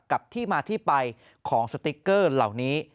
กับที่มาที่ไปของสติ๊กเกอร์เหล่านี้